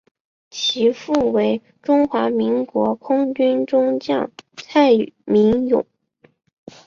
其父为中华民国空军中将蔡名永。